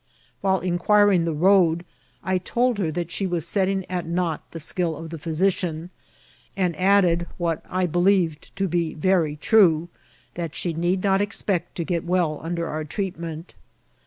While inquiring the road, I told her that she was set ting at naught the skill of the physician, and added, what I believed to be very true, that she need not ex pect to get well under our treatment.